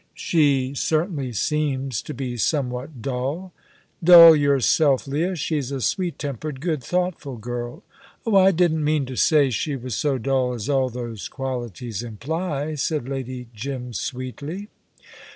"She certainly seems to be somewhat dull." "Dull yourself, Leah. She's a sweet tempered, good, thoughtful girl." "Oh, I didn't mean to say she was so dull as all those qualities imply," said Lady Jim, sweetly.